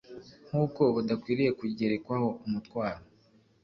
nkuko budakwiriye kugerekwaho umutwaro